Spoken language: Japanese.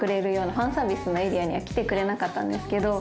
ファンサービスのエリアには来てくれなかったんですけど。